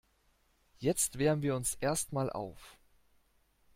Jetzt wärmen wir uns erstmal auf.